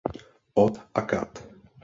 Od akad.